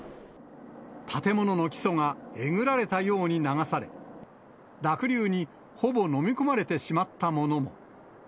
建物の基礎がえぐられたように流され、濁流にほぼ飲み込まれてしまったものも。